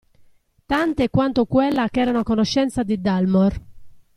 Tante quante quella che erano a conoscenza di Dalmor.